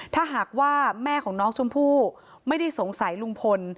ถ้าหากว่าแม่ของน้องชมพู่ไม่ได้สงสัยลุงพล